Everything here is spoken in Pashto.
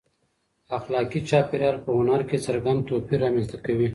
اخلاقي چاپېریال په هنر کې څرګند توپیر رامنځته کوي.